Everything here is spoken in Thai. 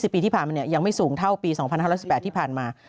ปีที่ผ่านมายังไม่สูงเท่าปี๒๕๑๘ที่ผ่านมา